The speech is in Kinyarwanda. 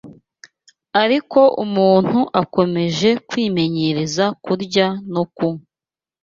ariko umuntu akomeje kwimenyereza kurya no kunywa